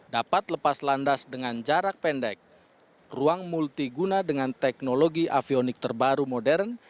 dapat lepas landas dengan jarak pendek ruang multiguna dengan teknologi avionik terbaru modern